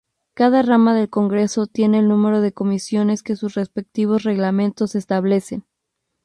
Cada rama del Congreso tiene el número de comisiones que sus respectivos reglamentos establecen.